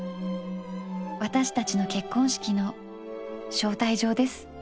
私たちの結婚式の招待状です。